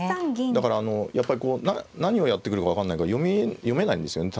だからあのやっぱりこう何をやってくるか分かんないから読めないんですよね